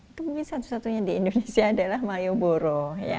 itu mungkin satu satunya di indonesia adalah mayoboro